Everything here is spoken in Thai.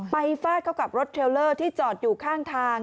ฟาดเข้ากับรถเทลเลอร์ที่จอดอยู่ข้างทาง